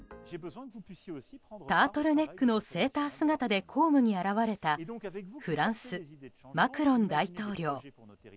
タートルネックのセーター姿で公務に現れたフランス、マクロン大統領。